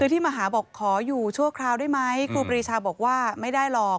คือที่มาหาบอกขออยู่ชั่วคราวได้ไหมครูปรีชาบอกว่าไม่ได้หรอก